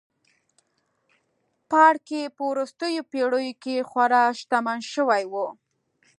پاړکي په وروستیو پېړیو کې خورا شتمن شوي وو.